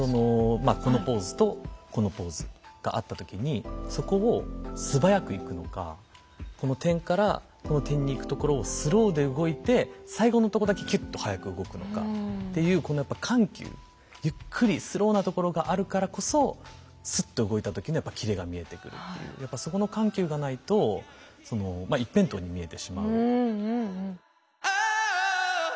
まあこのポーズとこのポーズがあった時にそこを素早くいくのかこの点からこの点にいくところをスローで動いて最後のとこだけキュッと速く動くのかっていうこのやっぱ緩急ゆっくりスローなところがあるからこそスッと動いた時にはやっぱキレが見えてくるっていうやっぱそこの緩急がないとそのまあ一辺倒に見えてしまう。